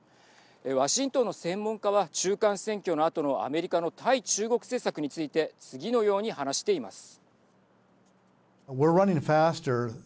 ワシントンの専門家は中間選挙のあとのアメリカの対中国政策について次のように話しています。